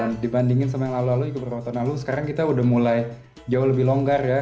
dan dibandingkan dengan yang lalu lalu sekarang kita sudah mulai jauh lebih longgar ya